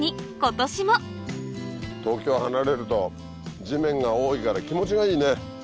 東京離れると地面が多いから気持ちがいいね。